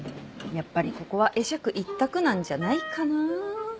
やっぱりここは会釈一択なんじゃないかな。